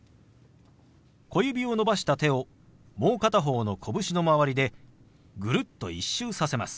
小指を伸ばした手をもう片方の拳の周りでぐるっと１周させます。